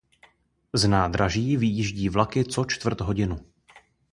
Z nádraží vyjíždí vlaky co čtvrt hodinu.